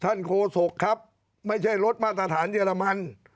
ท่านโคสกครับไม่ใช่รถมาตรฐานเยอรมัน